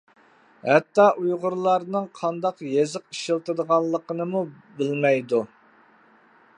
ھەتتا ئۇيغۇرلارنىڭ قانداق يېزىق ئىشلىتىدىغانلىقىنىمۇ بىلمەيدۇ.